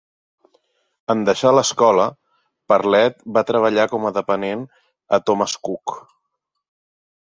En deixar l'escola, Parlett va treballar com a dependent a Thomas Cook.